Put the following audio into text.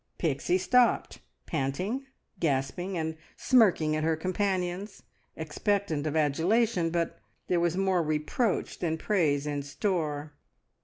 Pixie stopped, panting, gasping, and smirking at her companions, expectant of adulation, but there was more reproach than praise in store.